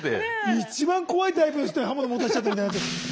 一番怖いタイプの人に刃物持たせちゃったみたいになっちゃった。